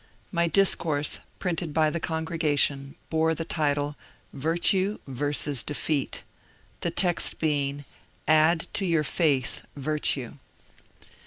My discourse, printed by the congregation, bore the title " Virtue vs. Defeat," the text being " Add to your faith virtue."